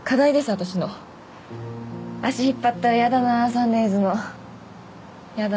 私の足引っ張ったらやだなサンデイズのやだ